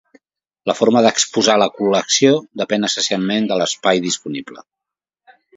La forma d'exposar la col·lecció depèn essencialment de l'espai disponible.